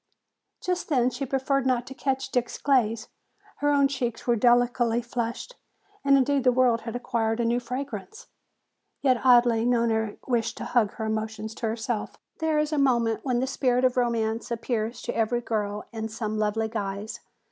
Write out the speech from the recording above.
Just then she preferred not to catch Dick's glance. Her own cheeks were delicately flushed and indeed the world had acquired a new fragrance. Yet oddly Nona wished to hug her emotion to herself. There is a moment when the spirit of romance appears to every girl in some lovely guise.